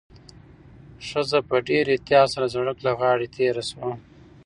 ښځه په ډېر احتیاط سره د سړک له غاړې تېره شوه.